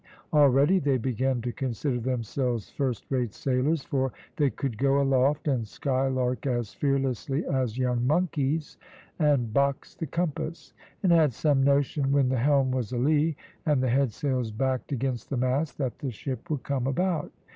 Already they began to consider themselves first rate sailors, for they could go aloft and skylark as fearlessly as young monkeys, and box the compass; and had some notion when the helm was a lee, and the head sails backed against the mast, that the ship would come about.